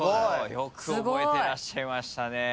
よく覚えてらっしゃいましたね。